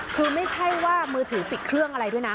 คือไม่ใช่ว่ามือถือติดเครื่องอะไรด้วยนะ